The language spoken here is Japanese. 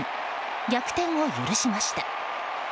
逆転を許しました。